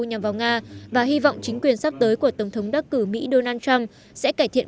nhằm vào nga và hy vọng chính quyền sắp tới của tổng thống đắc cử mỹ donald trump sẽ cải thiện